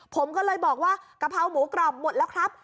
ผมก็เลยบอกว่ากะเพราหมูกรอบหมดแล้วครับ